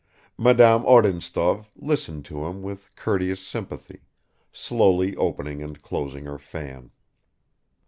Madame Odintsov listened to him with courteous sympathy, slowly opening and closing her fan.